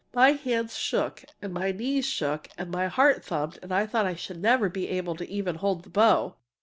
My hands shook, and my knees shook, and my heart thumped, and I thought I should never be able even to hold the bow.